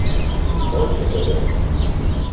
Ончо, теве!